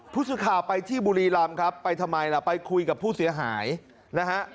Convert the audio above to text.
ผู้สื่อข่าวไปที่บุรีรำครับไปทำไมล่ะไปคุยกับผู้เสียหายนะฮะ